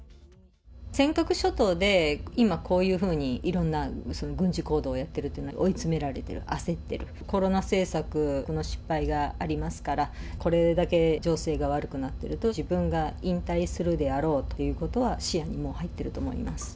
尖閣諸島で今こういうふうにいろんな軍事行動やってるというのは、追い詰められてる、焦ってる、コロナ政策の失敗がありますから、これだけ情勢が悪くなってると、自分が引退するであろうということは視野にもう入ってると思います。